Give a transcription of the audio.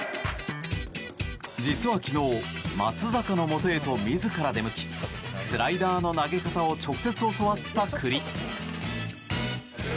実は、昨日松坂のもとへと自ら出向きスライダーの投げ方を直接教わった九里。